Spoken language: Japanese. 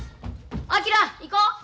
昭行こう！